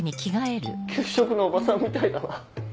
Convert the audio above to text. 給食のおばさんみたいだな。